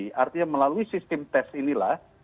selama mengikuti sistem tes inilah